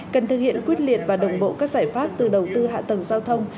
cần thực hiện quyết liệt và đồng bộ các giải pháp từ đầu tư hạ tầng giao thông